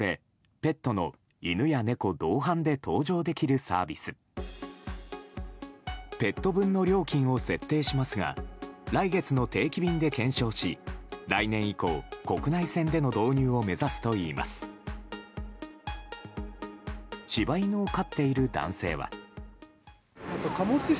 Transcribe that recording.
ペット分の料金を設定しますが来月の定期便で検証し来年以降国内線での導入を目指すとしています。